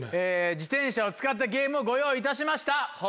自転車を使ったゲームをご用意いたしました。